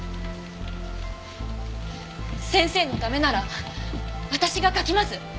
先生のためなら私が書きます！